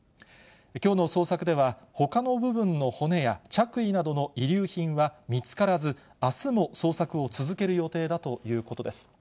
きょうの捜索では、ほかの部分の骨や着衣などの遺留品は見つからず、あすも捜索を続ける予定だということです。